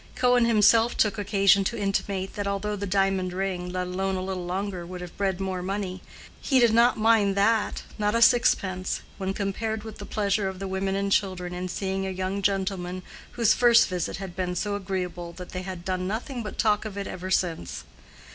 Cohen himself took occasion to intimate that although the diamond ring, let alone a little longer, would have bred more money, he did not mind that—not a sixpence—when compared with the pleasure of the women and children in seeing a young gentleman whose first visit had been so agreeable that they had "done nothing but talk of it ever since."